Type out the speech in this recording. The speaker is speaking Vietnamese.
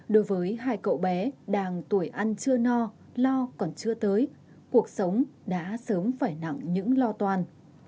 đối với hai cậu bé đang tuổi ăn chưa no lo còn chưa tới cuộc sống đã sớm phải nặng những lo toan